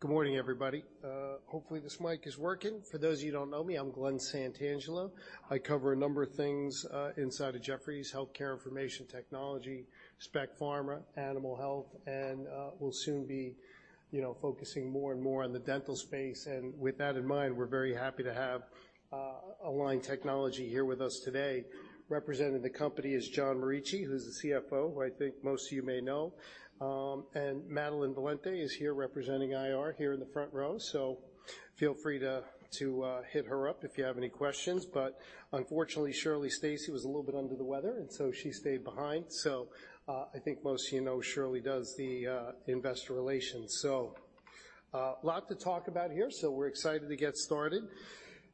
Good morning, everybody. Hopefully, this mic is working. For those of you who don't know me, I'm Glen Santangelo. I cover a number of things inside of Jefferies, healthcare, information technology, spec pharma, animal health, and will soon be, you know, focusing more and more on the dental space. And with that in mind, we're very happy to have Align Technology here with us today. Representing the company is John Morici, who's the CFO, who I think most of you may know. And Madelyn Valente is here representing IR here in the front row. So feel free to hit her up if you have any questions. But unfortunately, Shirley Stacy was a little bit under the weather, and so she stayed behind. So I think most of you know, Shirley does the investor relations. A lot to talk about here, so we're excited to get started.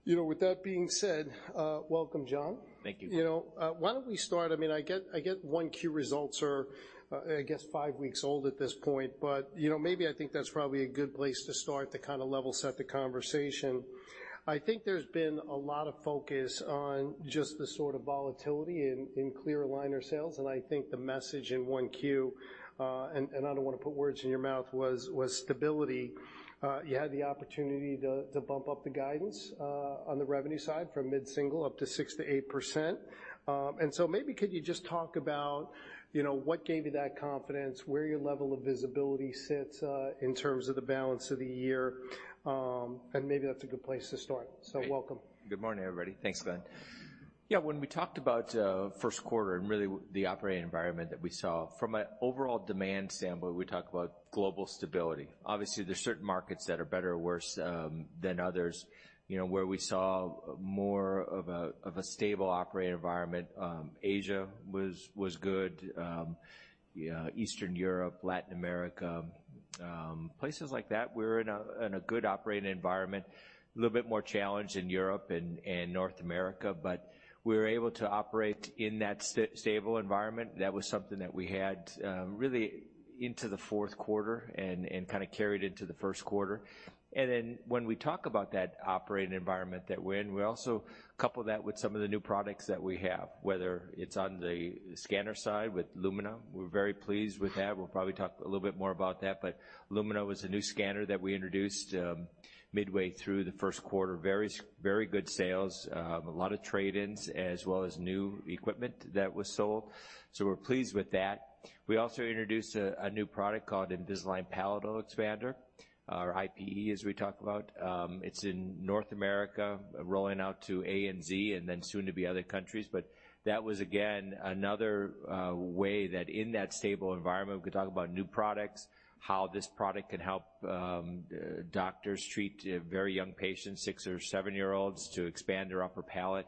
You know, with that being said, welcome, John. Thank you. You know, why don't we start... I mean, I get 1Q results are, I guess, five weeks old at this point, but, you know, maybe I think that's probably a good place to start to kind of level set the conversation. I think there's been a lot of focus on just the sort of volatility in clear aligner sales, and I think the message in 1Q, and I don't want to put words in your mouth, was stability. You had the opportunity to bump up the guidance on the revenue side from mid-single percent up to 6%-8%. And so maybe could you just talk about, you know, what gave you that confidence, where your level of visibility sits in terms of the balance of the year? Maybe that's a good place to start. Welcome. Good morning, everybody. Thanks, Glen. Yeah, when we talked about first quarter and really the operating environment that we saw, from an overall demand standpoint, we talked about global stability. Obviously, there's certain markets that are better or worse than others. You know, where we saw more of a stable operating environment, Asia was good, yeah, Eastern Europe, Latin America, places like that were in a good operating environment. A little bit more challenged in Europe and North America, but we were able to operate in that stable environment. That was something that we had really into the fourth quarter and kind of carried into the first quarter. And then when we talk about that operating environment that we're in, we also couple that with some of the new products that we have, whether it's on the scanner side with Lumina. We're very pleased with that. We'll probably talk a little bit more about that, but Lumina was a new scanner that we introduced midway through the first quarter. Very good sales, a lot of trade-ins, as well as new equipment that was sold. So we're pleased with that. We also introduced a new product called Invisalign Palatal Expander, or IPE, as we talk about. It's in North America, rolling out to ANZ and then soon to be other countries. But that was, again, another way that in that stable environment, we could talk about new products, how this product can help doctors treat very young patients, six or seven-year-olds, to expand their upper palate.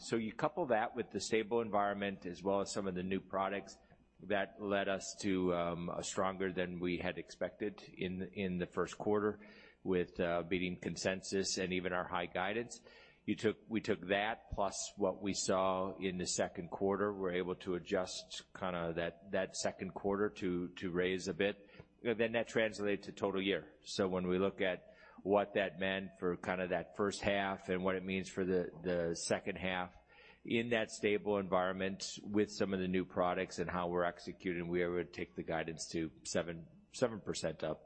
So you couple that with the stable environment as well as some of the new products that led us to a stronger than we had expected in the first quarter with beating consensus and even our high guidance. You took—we took that, plus what we saw in the second quarter, we're able to adjust kind of that second quarter to raise a bit, then that translated to total year. So when we look at what that meant for kind of that first half and what it means for the second half in that stable environment with some of the new products and how we're executing, we were able to take the guidance to 7% up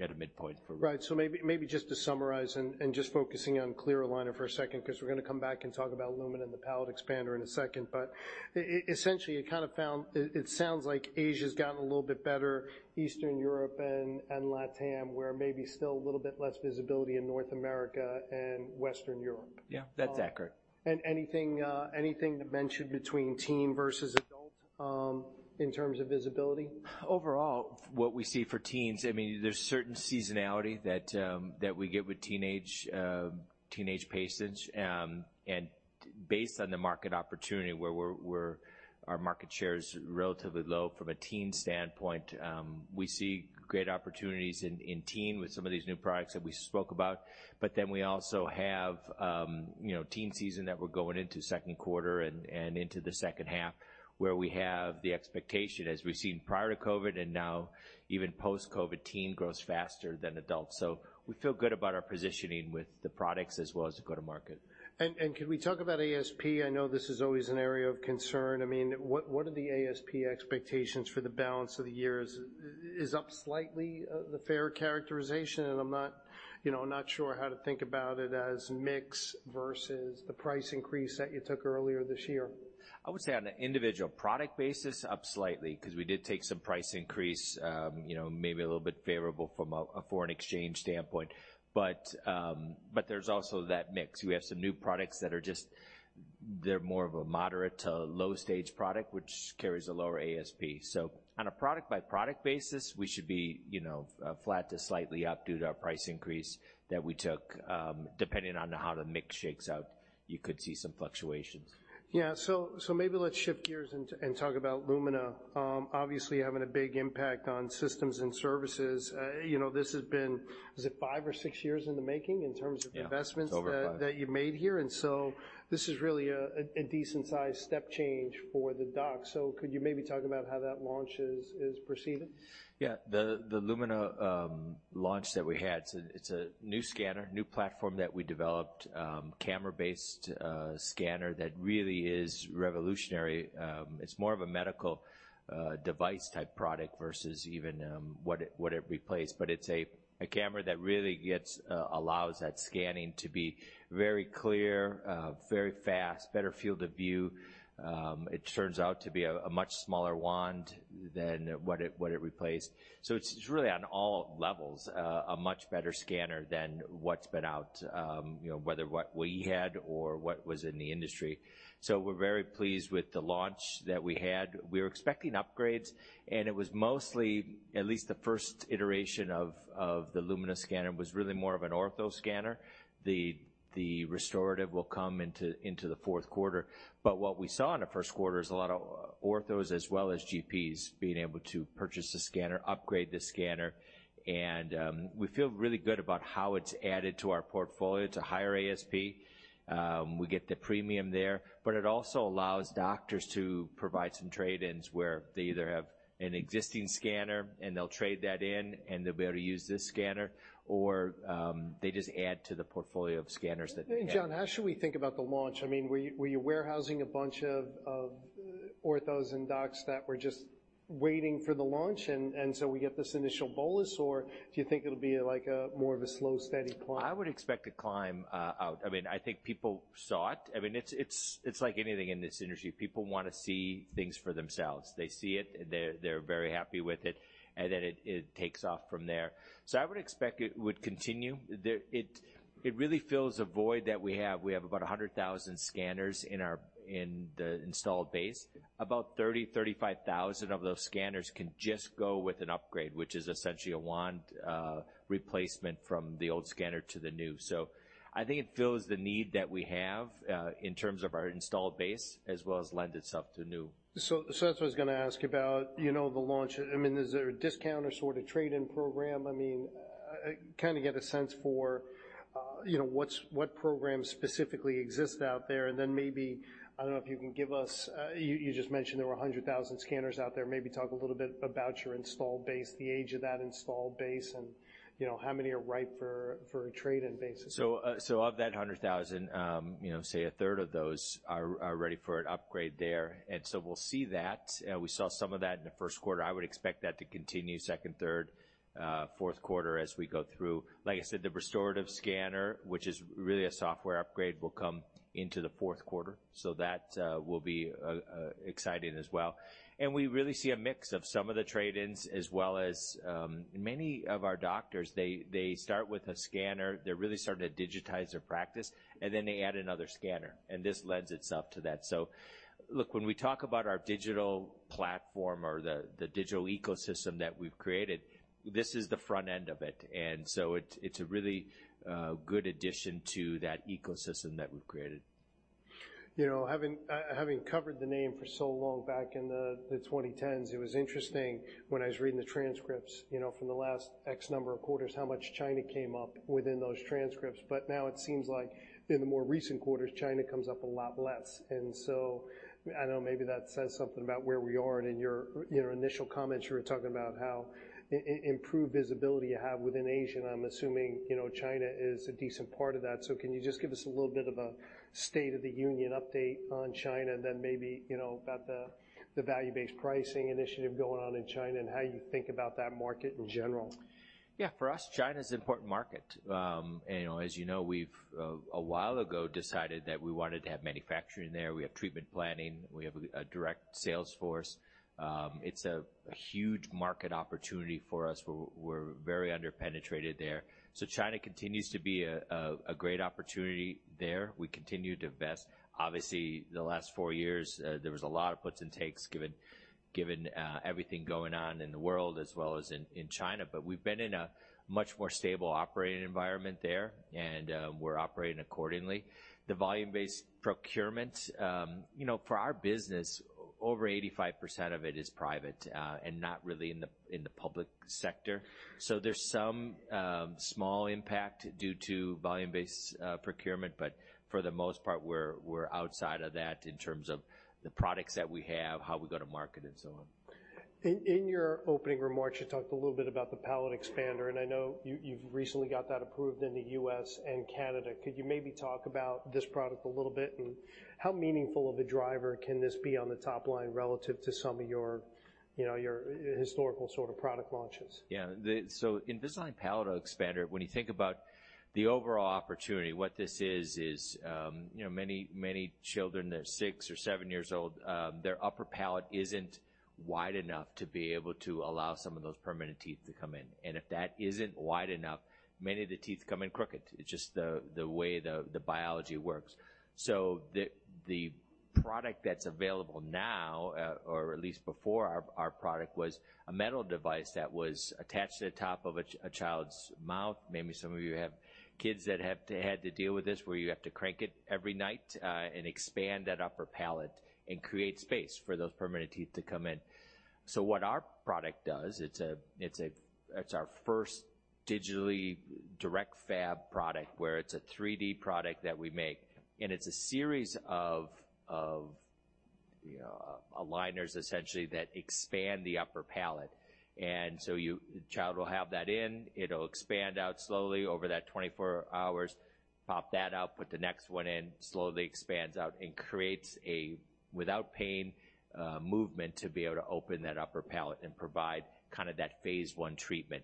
at a midpoint for- Right. So maybe just to summarize and just focusing on Clear Aligner for a second, because we're going to come back and talk about Lumina and the palate expander in a second. But essentially, you kind of found it sounds like Asia's gotten a little bit better, Eastern Europe and LatAm, where maybe still a little bit less visibility in North America and Western Europe. Yeah, that's accurate. Anything to mention between teen versus adult in terms of visibility? Overall, what we see for teens, I mean, there's certain seasonality that we get with teenage patients. And based on the market opportunity, where we're, our market share is relatively low from a teen standpoint. We see great opportunities in teen with some of these new products that we spoke about. But then we also have, you know, teen season that we're going into second quarter and into the second half, where we have the expectation, as we've seen prior to COVID and now even post-COVID, teen grows faster than adults. So we feel good about our positioning with the products as well as the go-to-market. And can we talk about ASP? I know this is always an area of concern. I mean, what are the ASP expectations for the balance of the years? Is up slightly the fair characterization, and I'm not, you know, not sure how to think about it as mix versus the price increase that you took earlier this year. I would say on an individual product basis, up slightly, because we did take some price increase, you know, maybe a little bit favorable from a foreign exchange standpoint. But, but there's also that mix. We have some new products that are just—they're more of a moderate to low stage product, which carries a lower ASP. So on a product-by-product basis, we should be, you know, flat to slightly up due to our price increase that we took. Depending on how the mix shakes out, you could see some fluctuations. Yeah. So maybe let's shift gears and talk about Lumina. Obviously, having a big impact on systems and services, you know, this has been, is it five or six years in the making in terms of- Yeah. -investments- It's over five. that you made here, and so this is really a decent size step change for the doc. So could you maybe talk about how that launch is proceeding? Yeah. The Lumina launch that we had, it's a new scanner, new platform that we developed, camera-based scanner that really is revolutionary. It's more of a medical device-type product versus even what it replaced. But it's a camera that really allows that scanning to be very clear, very fast, better field of view. It turns out to be a much smaller wand than what it replaced. So it's really, on all levels, a much better scanner than what's been out, you know, whether what we had or what was in the industry. So we're very pleased with the launch that we had. We were expecting upgrades, and it was mostly, at least the first iteration of the Lumina scanner, was really more of an ortho scanner. The restorative will come into the fourth quarter. But what we saw in the first quarter is a lot of orthos as well as GPs being able to purchase the scanner, upgrade the scanner, and we feel really good about how it's added to our portfolio. It's a higher ASP, we get the premium there. But it also allows doctors to provide some trade-ins, where they either have an existing scanner, and they'll trade that in, and they'll be able to use this scanner, or they just add to the portfolio of scanners that they have. John, how should we think about the launch? I mean, were you warehousing a bunch of orthos and docs that were just waiting for the launch, and so we get this initial bolus? Or do you think it'll be, like, a more of a slow, steady climb? I would expect a climb out. I mean, I think people saw it. I mean, it's like anything in this industry. People want to see things for themselves. They see it, and they're very happy with it, and then it takes off from there. So I would expect it would continue. There. It really fills a void that we have. We have about 100,000 scanners in our installed base. About 30,000-35,000 of those scanners can just go with an upgrade, which is essentially a wand replacement from the old scanner to the new. So I think it fills the need that we have in terms of our installed base, as well as lend itself to new. So that's what I was gonna ask about, you know, the launch. I mean, is there a discount or sort of trade-in program? I mean, kind of get a sense for, you know, what programs specifically exist out there. And then maybe, I don't know if you can give us. You just mentioned there were 100,000 scanners out there. Maybe talk a little bit about your installed base, the age of that installed base, and, you know, how many are ripe for a trade-in basis. So of that 100,000, you know, say a third of those are ready for an upgrade there, and so we'll see that. We saw some of that in the first quarter. I would expect that to continue second, third, fourth quarter as we go through. Like I said, the restorative scanner, which is really a software upgrade, will come into the fourth quarter, so that will be exciting as well. And we really see a mix of some of the trade-ins, as well as, many of our doctors, they start with a scanner, they're really starting to digitize their practice, and then they add another scanner, and this lends itself to that. So look, when we talk about our digital platform or the digital ecosystem that we've created, this is the front end of it. And so it's a really good addition to that ecosystem that we've created. You know, having covered the name for so long back in the 2010s, it was interesting when I was reading the transcripts, you know, from the last X number of quarters, how much China came up within those transcripts. But now it seems like in the more recent quarters, China comes up a lot less. And so I know maybe that says something about where we are. And in your initial comments, you were talking about how improved visibility you have within Asia, and I'm assuming, you know, China is a decent part of that. So can you just give us a little bit of a state of the union update on China and then maybe, you know, about the value-based pricing initiative going on in China and how you think about that market in general? Yeah. For us, China's an important market. And as you know, we've a while ago, decided that we wanted to have manufacturing there. We have treatment planning, we have a direct sales force. It's a huge market opportunity for us. We're very under-penetrated there. So China continues to be a great opportunity there. We continue to invest. Obviously, the last four years, there was a lot of puts and takes, given everything going on in the world as well as in China. But we've been in a much more stable operating environment there, and we're operating accordingly. The Volume-Based Procurement, you know, for our business, over 85% of it is private, and not really in the public sector. So there's some small impact due to Volume-Based Procurement, but for the most part, we're outside of that in terms of the products that we have, how we go to market, and so on. In your opening remarks, you talked a little bit about the palate expander, and I know you, you've recently got that approved in the U.S. and Canada. Could you maybe talk about this product a little bit? And how meaningful of a driver can this be on the top line relative to some of your, you know, your historical sort of product launches? Yeah. So Invisalign Palatal Expander, when you think about the overall opportunity, what this is, is, you know, many, many children, they're six or seven years old, their upper palate isn't wide enough to be able to allow some of those permanent teeth to come in, and if that isn't wide enough, many of the teeth come in crooked. It's just the way the biology works. So the product that's available now, or at least before our product, was a metal device that was attached to the top of a child's mouth. Maybe some of you have kids that have had to deal with this, where you have to crank it every night, and expand that upper palate and create space for those permanent teeth to come in. So what our product does, it's our first digitally direct fab product, where it's a 3D product that we make, and it's a series of, you know, aligners essentially that expand the upper palate. And so you-- the child will have that in, it'll expand out slowly over that 24 hours, pop that out, put the next one in, slowly expands out, and creates a, without pain, movement to be able to open that upper palate and provide kind of that phase one treatment.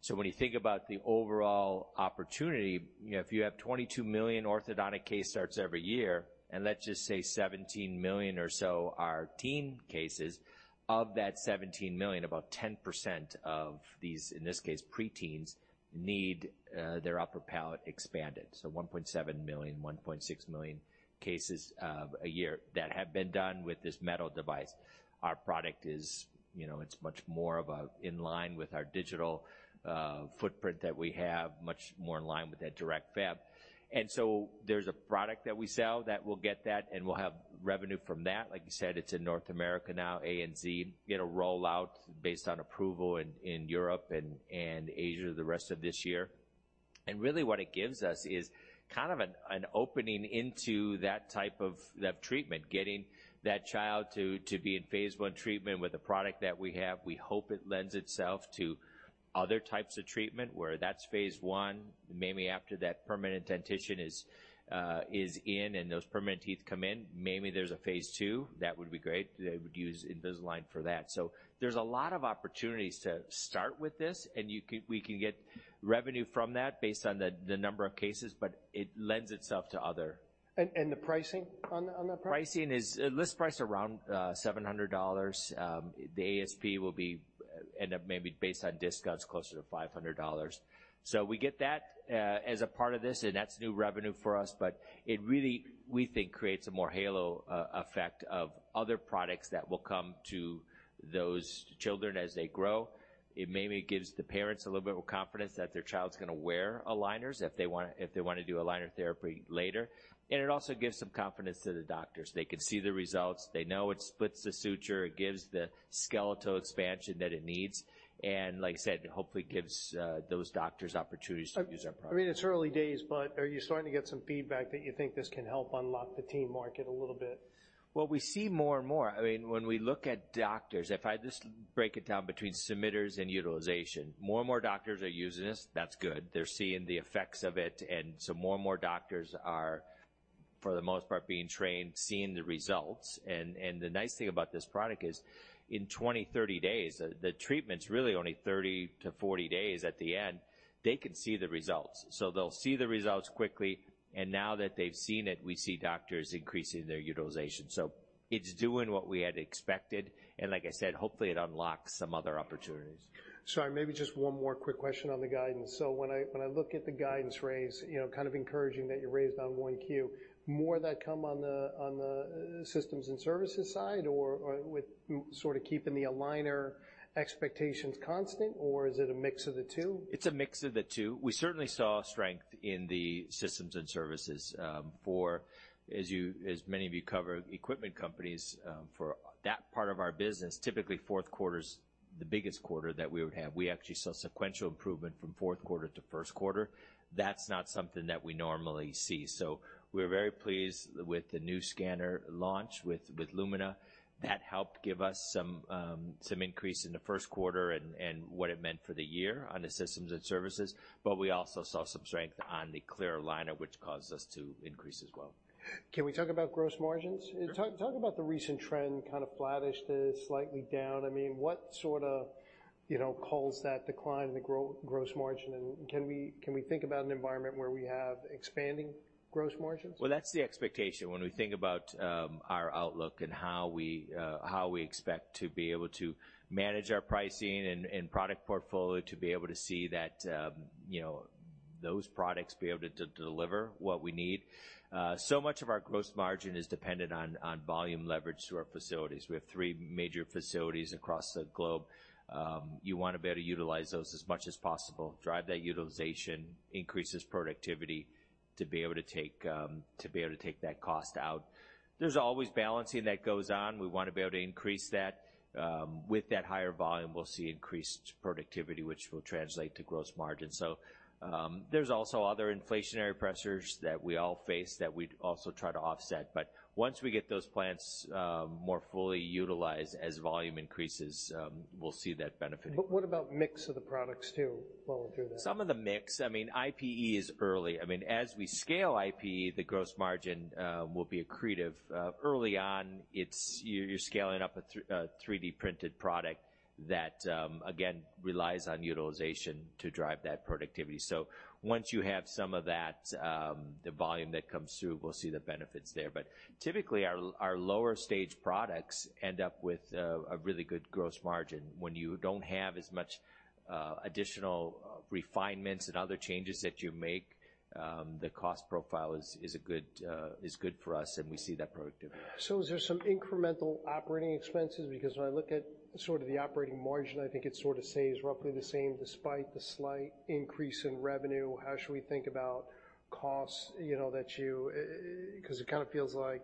So when you think about the overall opportunity, you know, if you have 22 million orthodontic case starts every year, and let's just say 17 million or so are teen cases, of that 17 million, about 10% of these, in this case, preteens, need their upper palate expanded. So 1.7 million, 1.6 million cases a year that have been done with this metal device. Our product is, you know, it's much more in line with our digital footprint that we have, much more in line with that direct fab. And so there's a product that we sell that will get that, and we'll have revenue from that. Like you said, it's in North America now, ANZ, with a rollout based on approval in Europe and Asia the rest of this year. And really, what it gives us is kind of an opening into that type of treatment, getting that child to be in phase one treatment with a product that we have. We hope it lends itself to other types of treatment, where that's phase one, maybe after that, permanent dentition is, is in, and those permanent teeth come in, maybe there's a phase two. That would be great. They would use Invisalign for that. So there's a lot of opportunities to start with this, and you could- we can get revenue from that based on the, the number of cases, but it lends itself to other- And the pricing on that product? Pricing is, list price around, $700. The ASP will be, end up maybe based on discounts, closer to five hundred dollars. So we get that, as a part of this, and that's new revenue for us, but it really, we think, creates a more halo, effect of other products that will come to those children as they grow. It maybe gives the parents a little bit more confidence that their child's going to wear aligners if they wanna, if they wanna do aligner therapy later. And it also gives some confidence to the doctors. They can see the results, they know it splits the suture, it gives the skeletal expansion that it needs, and like I said, it hopefully gives, those doctors opportunities to use our product. I mean, it's early days, but are you starting to get some feedback that you think this can help unlock the teen market a little bit? Well, we see more and more. I mean, when we look at doctors, if I just break it down between submitters and utilization, more and more doctors are using this. That's good. They're seeing the effects of it, and so more and more doctors are, for the most part, being trained, seeing the results. And the nice thing about this product is, in 20, 30 days, the treatment's really only 30-40 days at the end, they can see the results. So they'll see the results quickly, and now that they've seen it, we see doctors increasing their utilization. So it's doing what we had expected, and like I said, hopefully, it unlocks some other opportunities. Sorry, maybe just one more quick question on the guidance. So when I look at the guidance raise, you know, kind of encouraging that you raised on 1Q, more of that come on the systems and services side, or with sort of keeping the aligner expectations constant, or is it a mix of the two? It's a mix of the two. We certainly saw strength in the systems and services. As many of you cover equipment companies, for that part of our business, typically fourth quarter's the biggest quarter that we would have. We actually saw sequential improvement from fourth quarter to first quarter. That's not something that we normally see. So we're very pleased with the new scanner launch, with Lumina. That helped give us some increase in the first quarter and what it meant for the year on the systems and services, but we also saw some strength on the clear aligner, which caused us to increase as well. Can we talk about gross margins? Sure. Talk about the recent trend, kind of flattish to slightly down. I mean, what sort of, you know, causes that decline in the gross margin, and can we think about an environment where we have expanding gross margins? Well, that's the expectation. When we think about our outlook and how we how we expect to be able to manage our pricing and and product portfolio, to be able to see that those products be able to to deliver what we need. So much of our gross margin is dependent on on volume leverage through our facilities. We have three major facilities across the globe. You want to be able to utilize those as much as possible, drive that utilization, increases productivity, to be able to take to be able to take that cost out. There's always balancing that goes on. We want to be able to increase that. With that higher volume, we'll see increased productivity, which will translate to gross margin. So, there's also other inflationary pressures that we all face that we'd also try to offset. Once we get those plants more fully utilized, as volume increases, we'll see that benefiting. What about mix of the products, too, while we're doing that? Some of the mix, I mean, IPE is early. I mean, as we scale IPE, the gross margin will be accretive. Early on, it's you're scaling up a 3D printed product that, again, relies on utilization to drive that productivity. So once you have some of that, the volume that comes through, we'll see the benefits there. But typically, our lower stage products end up with a really good gross margin. When you don't have as much additional refinements and other changes that you make, the cost profile is a good is good for us, and we see that productivity. So is there some incremental operating expenses? Because when I look at sort of the operating margin, I think it sort of stays roughly the same, despite the slight increase in revenue. How should we think about costs, you know, that you... because it kind of feels like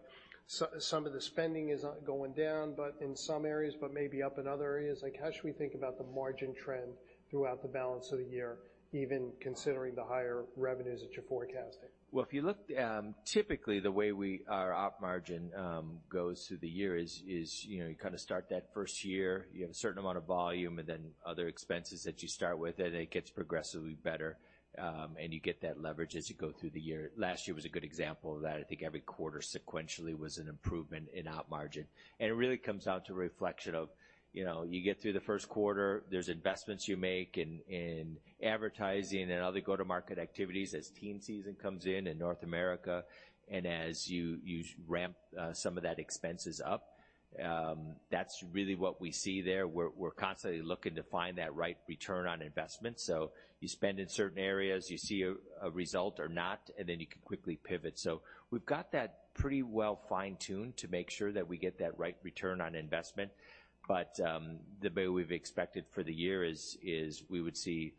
some of the spending is not going down, but in some areas, but maybe up in other areas. Like, how should we think about the margin trend throughout the balance of the year, even considering the higher revenues that you're forecasting? Well, if you look, typically, the way our op margin goes through the year is, you know, you kind of start that first year, you have a certain amount of volume and then other expenses that you start with, and it gets progressively better, and you get that leverage as you go through the year. Last year was a good example of that. I think every quarter sequentially was an improvement in op margin. And it really comes down to a reflection of, you know, you get through the first quarter, there's investments you make in advertising and other go-to-market activities as teen season comes in, in North America, and as you ramp some of that expenses up. That's really what we see there. We're constantly looking to find that right return on investment. So you spend in certain areas, you see a result or not, and then you can quickly pivot. So we've got that pretty well fine-tuned to make sure that we get that right return on investment. But, the way we've expected for the year is we would see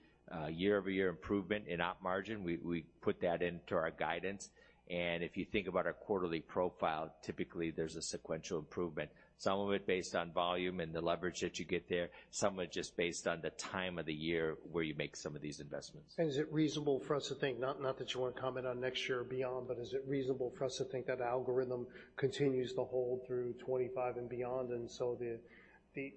year-over-year improvement in op margin. We put that into our guidance, and if you think about our quarterly profile, typically, there's a sequential improvement. Some of it based on volume and the leverage that you get there, some of it just based on the time of the year where you make some of these investments. Is it reasonable for us to think, not that you want to comment on next year or beyond, but is it reasonable for us to think that algorithm continues to hold through 2025 and beyond, and so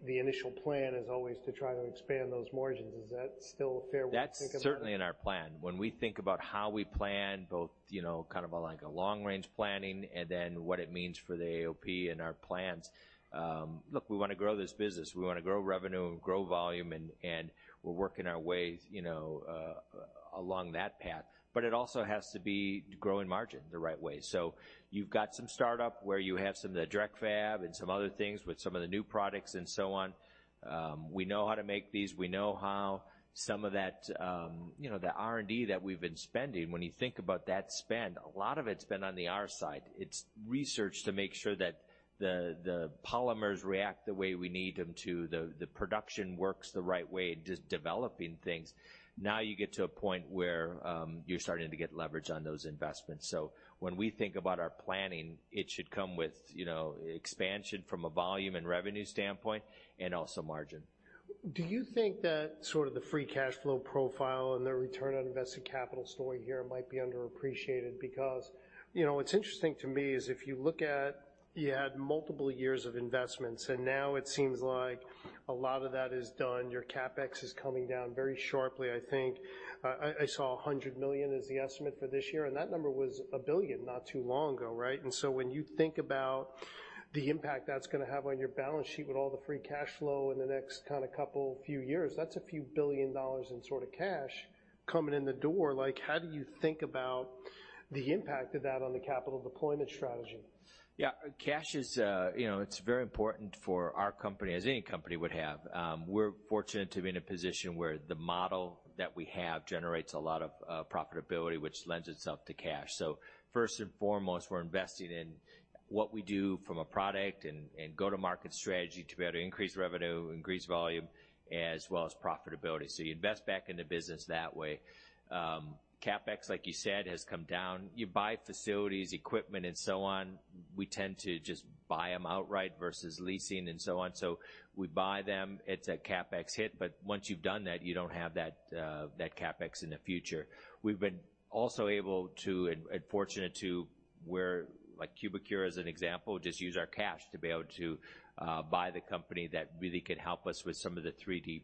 the initial plan is always to try to expand those margins? Is that still a fair way to think about it? That's certainly in our plan. When we think about how we plan, both, you know, kind of like a long range planning and then what it means for the AOP and our plans, look, we want to grow this business. We want to grow revenue and grow volume, and, and we're working our way, you know, along that path. But it also has to be growing margin the right way. So you've got some startup where you have some of the direct fab and some other things with some of the new products and so on. We know how to make these. We know how some of that, you know, the R&D that we've been spending, when you think about that spend, a lot of it's been on the R side. It's research to make sure that the polymers react the way we need them to, the production works the right way, just developing things. Now, you get to a point where you're starting to get leverage on those investments. So when we think about our planning, it should come with, you know, expansion from a volume and revenue standpoint and also margin. Do you think that sort of the free cash flow profile and the return on invested capital story here might be underappreciated? Because, you know, what's interesting to me is if you look at... You had multiple years of investments, and now it seems like a lot of that is done. Your CapEx is coming down very sharply, I think. I saw $100 million as the estimate for this year, and that number was $1 billion not too long ago, right? And so when you think about the impact that's gonna have on your balance sheet with all the free cash flow in the next kind of couple, few years, that's a few billion dollars in sort of cash coming in the door. Like, how do you think about the impact of that on the capital deployment strategy? Yeah. Cash is, you know, it's very important for our company, as any company would have. We're fortunate to be in a position where the model that we have generates a lot of profitability, which lends itself to cash. So first and foremost, we're investing in what we do from a product and, and go-to-market strategy to be able to increase revenue, increase volume, as well as profitability. So you invest back in the business that way. CapEx, like you said, has come down. You buy facilities, equipment, and so on. We tend to just buy them outright versus leasing and so on. So we buy them. It's a CapEx hit, but once you've done that, you don't have that CapEx in the future. We've been also able to and fortunate to, like Cubicure, as an example, just use our cash to be able to buy the company that really can help us with some of the 3D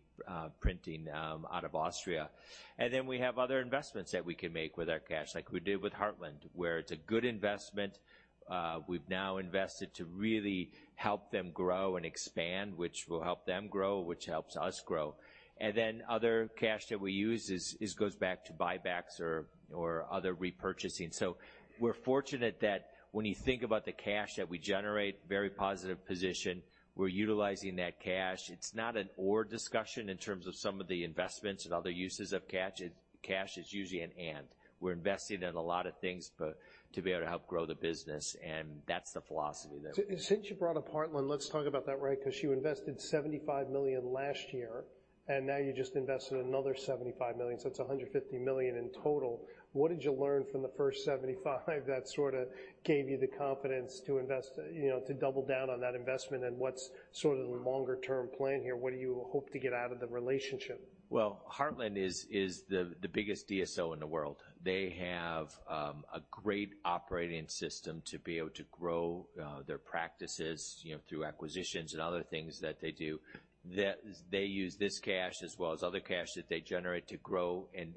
printing out of Austria. And then we have other investments that we can make with our cash, like we did with Heartland, where it's a good investment. We've now invested to really help them grow and expand, which will help them grow, which helps us grow. And then other cash that we use is goes back to buybacks or other repurchasing. So we're fortunate that when you think about the cash that we generate, very positive position, we're utilizing that cash. It's not an or discussion in terms of some of the investments and other uses of cash. Cash is usually an and. We're investing in a lot of things but to be able to help grow the business, and that's the philosophy there. Since you brought up Heartland, let's talk about that, right? Because you invested $75 million last year, and now you just invested another $75 million, so it's $150 million in total. What did you learn from the first $75 million that sort of gave you the confidence to invest, you know, to double down on that investment? And what's sort of the longer-term plan here? What do you hope to get out of the relationship? Well, Heartland is the biggest DSO in the world. They have a great operating system to be able to grow their practices, you know, through acquisitions and other things that they do. They use this cash as well as other cash that they generate to grow and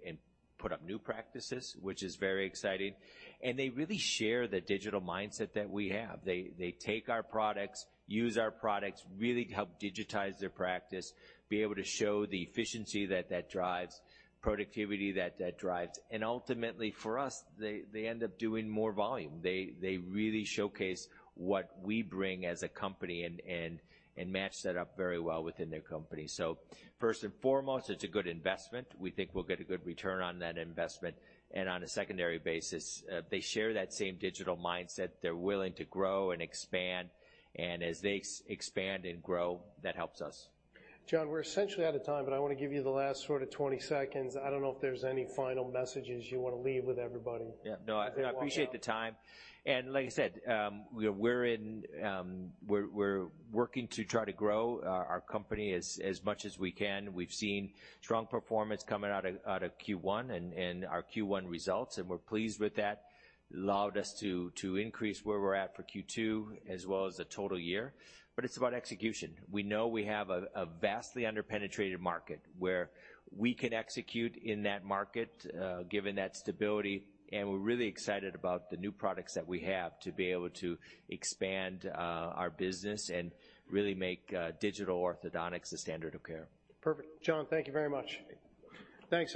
put up new practices, which is very exciting. They really share the digital mindset that we have. They take our products, use our products, really help digitize their practice, be able to show the efficiency that that drives, productivity that that drives, and ultimately, for us, they end up doing more volume. They really showcase what we bring as a company and match that up very well within their company. First and foremost, it's a good investment. We think we'll get a good return on that investment, and on a secondary basis, they share that same digital mindset. They're willing to grow and expand, and as they expand and grow, that helps us. John, we're essentially out of time, but I wanna give you the last sort of 20 seconds. I don't know if there's any final messages you wanna leave with everybody? Yeah. No, as we walk out. I appreciate the time, and like I said, we're in, we're working to try to grow our company as much as we can. We've seen strong performance coming out of Q1 and our Q1 results, and we're pleased with that. Allowed us to increase where we're at for Q2 as well as the total year, but it's about execution. We know we have a vastly under-penetrated market, where we can execute in that market, given that stability, and we're really excited about the new products that we have to be able to expand our business and really make digital orthodontics the standard of care. Perfect. John, thank you very much. Thanks, everyone.